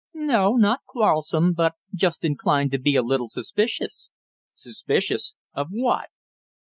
"No, not quarrelsome, but just inclined to be a little suspicious." "Suspicious? Of what?"